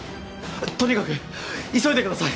とにかく急いでください！